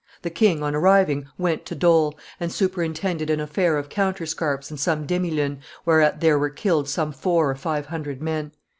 The king, on arriving, went to Dole, and superintended an affair of counterscarps and some demilunes, whereat there were killed some four or five hundred men.